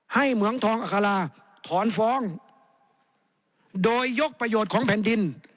เหมืองทองอัคราถอนฟ้องโดยยกประโยชน์ของแผ่นดิน